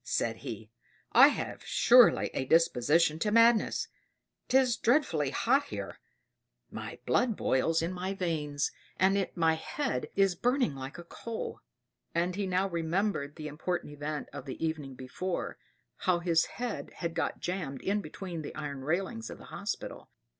sighed he. "I have surely a disposition to madness 'tis dreadfully hot here; my blood boils in my veins and my head is burning like a coal." And he now remembered the important event of the evening before, how his head had got jammed in between the iron railings of the hospital.